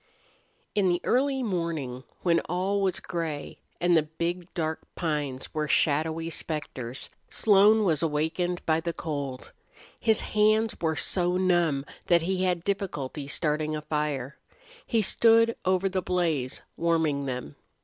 II In the early morning when all was gray and the big, dark pines were shadowy specters, Slone was awakened by the cold. His hands were so numb that he had difficulty starting a fire. He stood over the blaze, warming them.